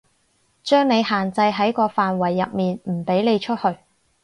將你限制喺個範圍入面，唔畀你出去